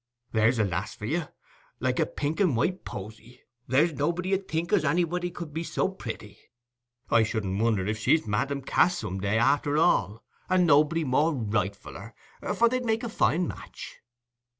There's a lass for you!—like a pink and white posy—there's nobody 'ud think as anybody could be so pritty. I shouldn't wonder if she's Madam Cass some day, arter all—and nobody more rightfuller, for they'd make a fine match.